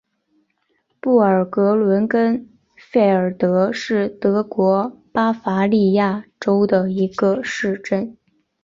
布尔格伦根费尔德是德国巴伐利亚州的一个市镇。